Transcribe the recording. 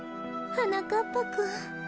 はなかっぱくん。